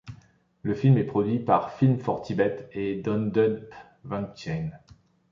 Le film est produit par Film for Tibet et Dhondup Wangchen.